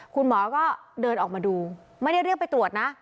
คุณหมอก็เดินออกมาดูไม่ได้เรียกไปตรวจนะ